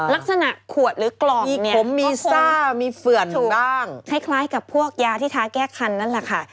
ลักษณะขวดหรือกลอมเนี่ยก็คงคล้ายกับพวกยาที่ท้าแก้คันนั่นแหละค่ะ